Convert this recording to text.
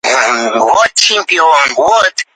Odam savdosi – noinsoniy, noqonuniy savdo